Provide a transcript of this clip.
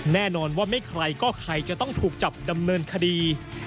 แน่นอนว่าไม่ใครก็ใครจะต้องถูกจับดำเนินคดี